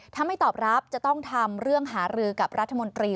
ถ้าไม่ตอบรับจะต้องทำเรื่องหารือกับรัฐมนตรี